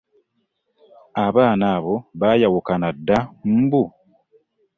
Abaana abo baayawukana dda mbu?